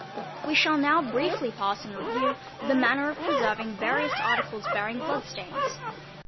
| We shall now briefly pass in review the manner of preserving various — articles bearing blood stains.